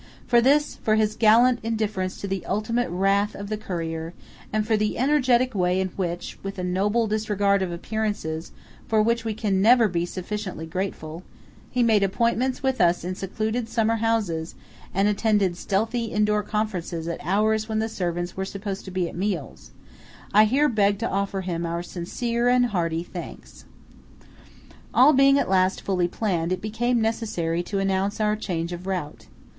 For this; for his gallant indifference to the ultimate wrath of the courier; and for the energetic way in which (with a noble disregard of appearances, for which we can never be sufficiently grateful) he made appointments with us in secluded summer houses, and attended stealthy indoor conferences at hours when the servants were supposed to be at meals, I here beg to offer him our sincere and hearty thanks. All being at last fully planned, it became necessary to announce our change of route.